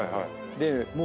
でもう。